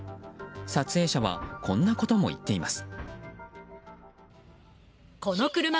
撮影者はこんなことも言っています。